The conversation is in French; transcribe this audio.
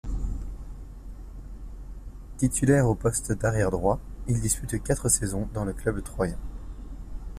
Titulaire au poste d'arrière droit, il dispute quatre saisons dans le club troyen.